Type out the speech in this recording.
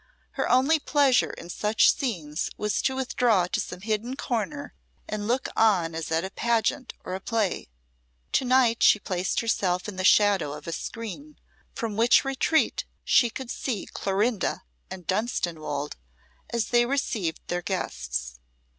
Her only pleasure in such scenes was to withdraw to some hidden corner and look on as at a pageant or a play. To night she placed herself in the shadow of a screen, from which retreat she could see Clorinda and Dunstanwolde as they received their guests.